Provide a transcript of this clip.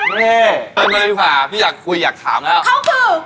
เฮ้เป็นมะนิษฐาพี่อยากคุยอยากถามแล้ว